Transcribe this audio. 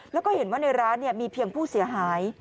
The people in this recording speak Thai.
แล้วก็เห็นว่าในร้านมีเพียงผู้เสียหาย